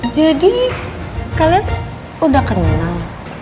jadi kalian udah kenal